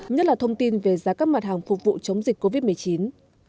nhất là thông tin về giá các mặt hàng phục vụ chống dịch covid một mươi chín